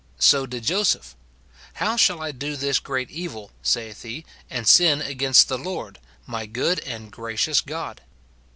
So did Joseph. " How shall I do this great evil," saith he, " and sin against the Lord ?" my good and gracious God.